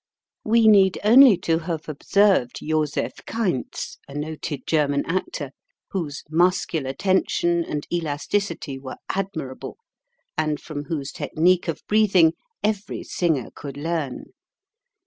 We need only to have observed Joseph Kainz (a noted German actor), whose muscular tension and elasticity were admirable and from whose technique of breathing every singer could learn.